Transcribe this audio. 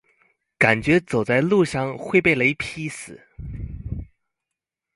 感覺走在路上會被雷劈死